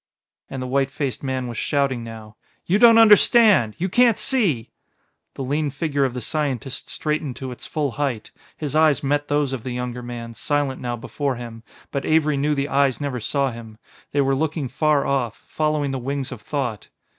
and the white faced man was shouting now "you don't understand you can't see " The lean figure of the scientist straightened to its full height. His eyes met those of the younger man, silent now before him, but Avery knew the eyes never saw him; they were looking far off, following the wings of thought.